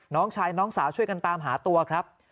น้องชายน้องสาวช่วยกันตามหาตัวครับ